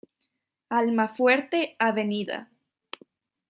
Almafuerte, Av.